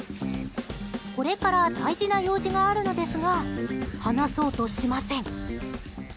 これから大事な用事があるのですが放そうとしません。